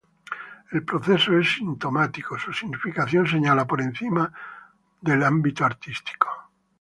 El proceso es sintomático; su significación señala por encima del ámbito artístico.